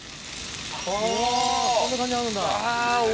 わぁこんな感じになるんだ。